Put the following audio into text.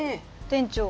店長。